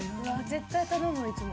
絶対頼むいつも。